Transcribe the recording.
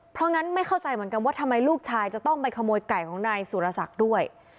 เพราะงั้นไม่เข้าใจเหมือนกันว่าทำไมลูกชายจะต้องไปขโมยไก่ของนายสุรศักดิ์ด้วย